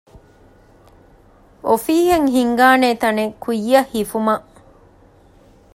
އޮފީހެއް ހިންގާނޭ ތަނެއް ކުއްޔަށް ހިފުމަށް